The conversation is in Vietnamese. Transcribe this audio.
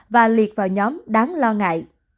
và liệt vào nhóm đáng lo ngại